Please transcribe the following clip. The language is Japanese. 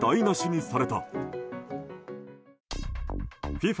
ＦＩＦＡ